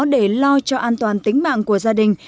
để lo cho an toàn tính mạng của gia đình